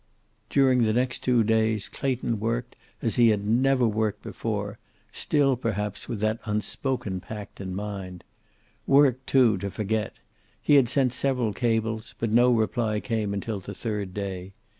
During the next two days Clayton worked as he never had worked before, still perhaps with that unspoken pact in mind. Worked too, to forget. He had sent several cables, but no reply came until the third day.